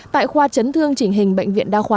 tại khoa chấn thương chỉnh hình bệnh viện đa khoa